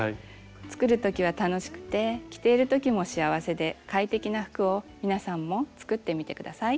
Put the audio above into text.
作るときは楽しくて着ているときも幸せで快適な服を皆さんも作ってみて下さい。